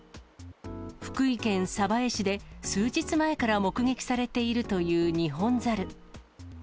福井県鯖江市で数日前から目撃されているというニホンザル。